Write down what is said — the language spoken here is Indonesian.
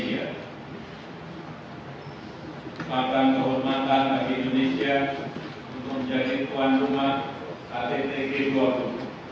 saya akan menghormatkan bagi indonesia untuk menjadi tuan rumah ktpk boro